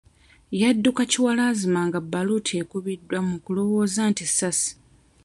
Yadduka kiwalazzima nga bbaluti ekubiddwa mu kulowooza nti ssasi.